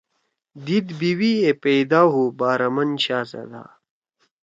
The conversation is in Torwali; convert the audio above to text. دیِد بیوی یے پیدا ہُو بارامن شاھزدا